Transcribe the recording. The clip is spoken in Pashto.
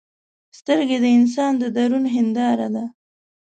سترګې د انسان د درون هنداره ده